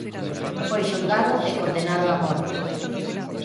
Foi xulgado e condenado á morte.